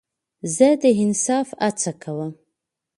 زه د انصاف هڅه کوم.